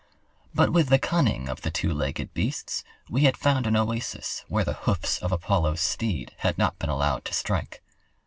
But with the cunning of the two legged beasts we had found an oasis where the hoofs of Apollo's steed had not been allowed to strike.